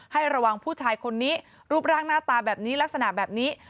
ให้ระวังผู้ชายคนนี้รูปร่างหน้าตาแบบนี้ลักษณะแบบนี้